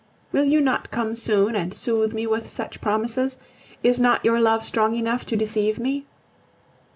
Will you not come soon and soothe me with such promises? Is not your love strong enough to deceive me?